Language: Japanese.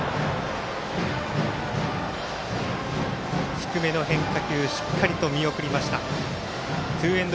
低めの変化球しっかりと見送りました。